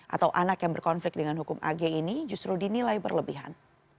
atau anak yang berkonflik dengan hukum ag ini justru dinilai berlebihan